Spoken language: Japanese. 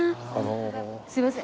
すいません。